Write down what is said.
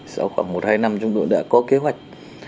sau khoảng một hai năm chúng tôi đã có kế hoạch